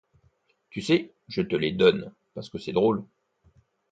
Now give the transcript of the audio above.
Tu sais, je te les donne, parce que c'est drôle.